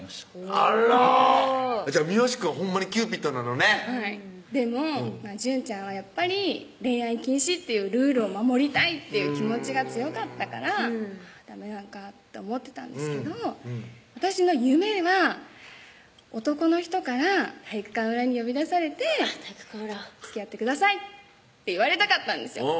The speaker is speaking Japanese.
あらじゃあミヨシくんはほんまにキューピッドなのねでも淳ちゃんはやっぱり恋愛禁止っていうルールを守りたいっていう気持ちが強かったからダメなのかって思ってたんですけど私の夢は男の人から体育館裏に呼び出されて「つきあってください」って言われたかったんですよ